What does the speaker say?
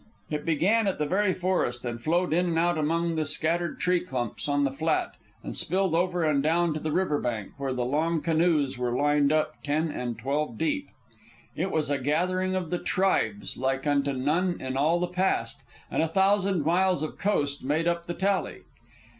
It began at the very forest, and flowed in and out among the scattered tree clumps on the flat, and spilled over and down to the river bank where the long canoes were lined up ten and twelve deep. It was a gathering of the tribes, like unto none in all the past, and a thousand miles of coast made up the tally.